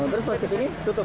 terus pas kesini tutup